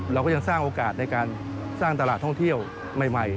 เราก็ยังสร้างโอกาสในการสร้างตลาดท่องเที่ยวใหม่